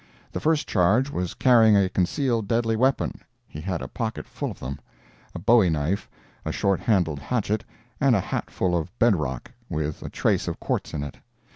The first charge was carrying a concealed deadly weapon; he had a pocket full of them—a Bowie knife, a short handled hatchet, and a hat full of bed rock, with a trace of quartz in it.